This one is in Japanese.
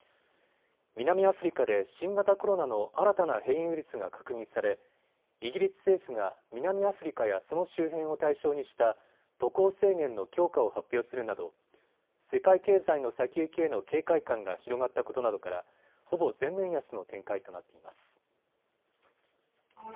南アフリカで新型コロナの新たな変異ウイルスが確認されイギリス政府が南アフリカやその周辺を対象にした渡航制限の強化を発表するなど世界経済の先行きへの警戒感が広がったことなどからほぼ全面安の展開となっています。